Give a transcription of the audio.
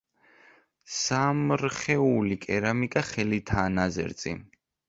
სამრხეული კერამიკა ხელითაა ნაძერწი.